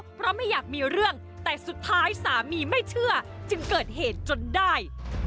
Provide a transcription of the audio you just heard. นิสัยของนายเจมส์เวลาเมาชอบหาเรื่องชาวบ้านและโวยวายทะเลาะกับเมียนักข้อถึงขนาดถือมีดเป็นขู่พระก็เคยทำมาแล้ว